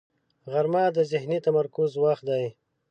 غرمه د ذهني تمرکز وخت دی